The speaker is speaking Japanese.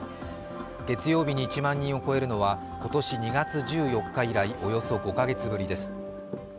月曜日に１万人を超えるのは今年２月１４日以来、およそ５カ月ぶりです。